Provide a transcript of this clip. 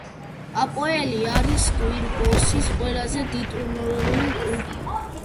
აპოელი არის კვიპროსის ყველაზე ტიტულოვანი კლუბი.